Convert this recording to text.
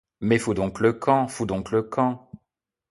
Mais fous donc le camp ! fous donc le camp !